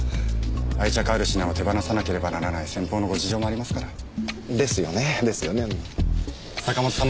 愛着ある品を手放さなければならない先方のご事情もありますから。ですよね。ですよねうん。